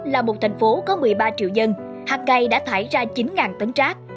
là một thành phố có một mươi ba triệu dân hạt cây đã thải ra chín tấn rác